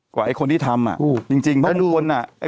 กว่าคนที่ทำ